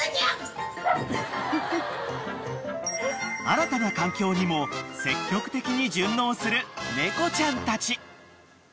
［新たな環境にも積極的に順応する猫ちゃんたち］